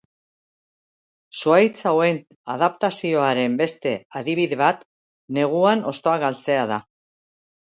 Zuhaitz hauen adaptazioaren beste adibide bat, neguan hostoak galtzea da.